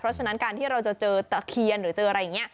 เพราะฉะนั้นการที่เราจะเจอตะเคียนหรือเจออะไรอย่างนี้